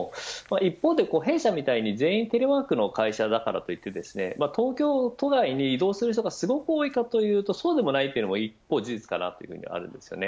一方で、弊社のように全員テレワークの会社だからといって東京都内に移動する人がすごく多いかというとそうでもないというのがもう一方、事実にあります。